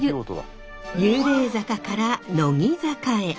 幽霊坂から乃木坂へ。